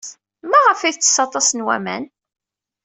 Maɣef ay tettes aṭas n waman?